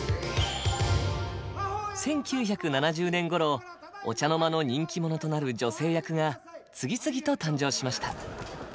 １９７０年ごろお茶の間の人気者となる女性役が次々と誕生しました。